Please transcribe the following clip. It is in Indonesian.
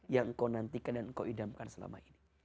yang kau nantikan dan kau idamkan selama ini